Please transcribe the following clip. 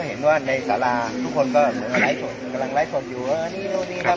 สวัสดีครับพี่เบนสวัสดีครับ